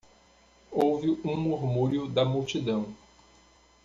Houve um murmúrio da multidão.